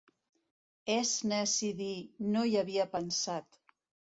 És neci dir: «No hi havia pensat».